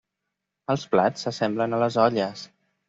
Els plats s'assemblen a les olles.